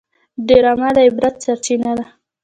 ډرامه د عبرت سرچینه ده